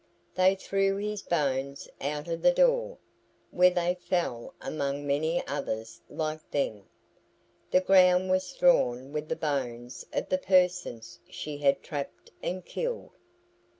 They threw his bones out of the door, where they fell among many others like them. The ground was strewn with the bones of the persons she had trapped and killed.